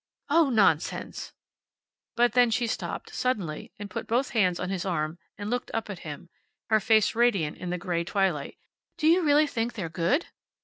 "Oh, nonsense!" But then she stopped, suddenly, and put both hands on his arm, and looked up at him, her face radiant in the gray twilight. "Do you really think they're good!"